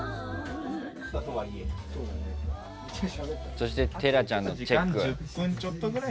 そして寺ちゃんのチェック。